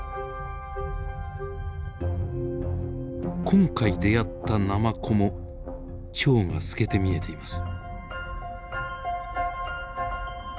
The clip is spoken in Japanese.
今回出会ったナマコも腸が透けて見えています。